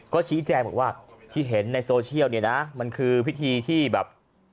ก็ชี้แจงบอกว่าที่เห็นในโซเชียลเนี่ยนะมันคือพิธีที่แบบ